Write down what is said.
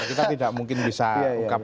kita tidak mungkin bisa ungkapkan